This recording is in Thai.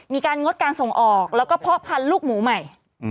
งดการส่งออกแล้วก็เพาะพันธุ์ลูกหมูใหม่